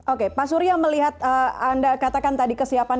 oke pak surya melihat anda katakan tadi kesiapan